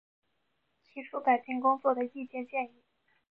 提出改进工作的意见建议